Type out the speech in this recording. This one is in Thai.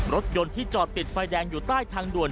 รถยนต์ที่จอดติดไฟแดงอยู่ใต้ทางด่วน